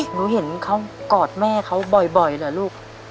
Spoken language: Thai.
หนูเห็นเขากอดแม่เขาบ่อยเหรอลูก